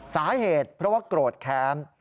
สาเหตุเพราะว่าโกรธแค้น